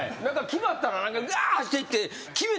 決まったらガーッ走っていって。